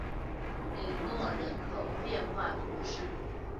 里诺人口变化图示